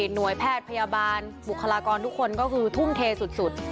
หน่วยแพทย์พยาบาลบุคลากรทุกคนก็คือทุ่มเทสุด